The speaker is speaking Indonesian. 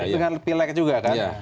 dengan pileg juga kan